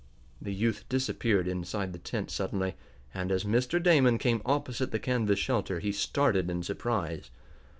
The youth disappeared inside the tent suddenly, and, as Mr. Damon came opposite the canvas shelter, he started in surprise.